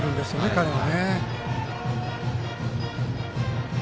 彼は。